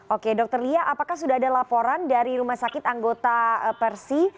oke dokter lia apakah sudah ada laporan dari rumah sakit anggota persi